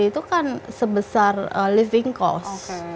itu kan sebesar living cost